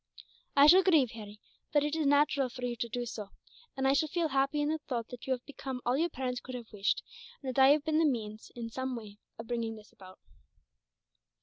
"I shall grieve, Harry; but it is natural for you to do so, and I shall feel happy in the thought that you have become all your parents could have wished, and that I have been the means, in some way, of bringing this about."